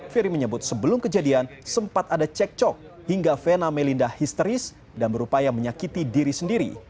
ferry menyebut sebelum kejadian sempat ada cek cok hingga vena melinda histeris dan berupaya menyakiti diri sendiri